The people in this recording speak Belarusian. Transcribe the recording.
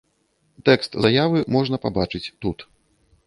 Тэкст заявы можна пабачыць тут.